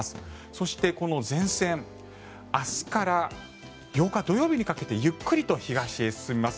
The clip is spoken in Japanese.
そして、この前線明日から８日土曜日にかけてゆっくりと東へ進みます。